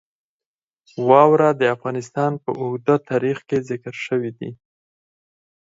واوره د افغانستان په اوږده تاریخ کې ذکر شوی دی.